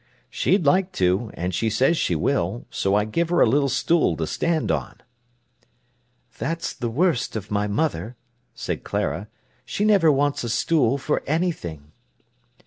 "She'd like to, and she says she will, so I give her a little stool to stand on." "That's the worst of my mother," said Clara. "She never wants a stool for anything."